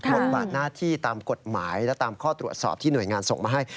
บทบาทหน้าที่ตามกฎหมายและตามข้อตรวจสอบที่หน่วยงานส่งมาให้